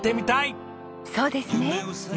そうですね。